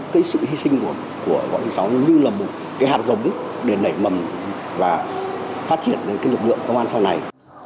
cái sự hy sinh của võ thị sáu như là một cái hạt giống để nảy mầm và phát triển lên cái lực lượng công an sau này